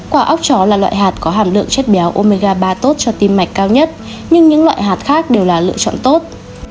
quả ốc chó là loại hạt có hàm lượng chất béo omega ba tốt cho tim mạch cao nhất nhưng những loại hạt khác đều là lựa chọn tốt